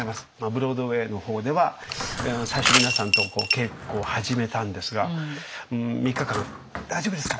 ブロードウェイの方では最初皆さんと稽古を始めたんですが３日間「大丈夫ですか！